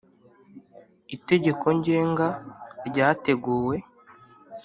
itegeko ngenga ryateguwe